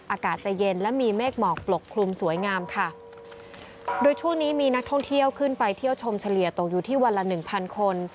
อากาศจะเย็นและมีเมฆหมอกปกคลุมสวยงามค่ะโดยช่วงนี้มีนักท่องเที่ยวขึ้นไปเที่ยวชมเฉลี่ยตกอยู่ที่วันละหนึ่งพันคน